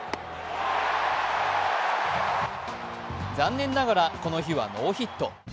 残念ながらこの日はノーヒット。